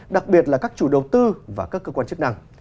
đặc biệt là các chủ đầu tư và các cơ quan chức năng